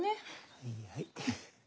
はいはい。